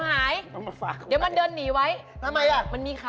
มาเยี่ยมเลยอย่างไง